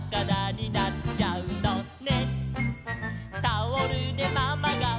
「くじらになっちゃうのね」